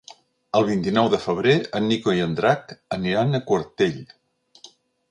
El vint-i-nou de febrer en Nico i en Drac aniran a Quartell.